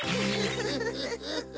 フフフフ。